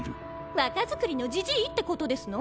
若作りのジジィってことですの？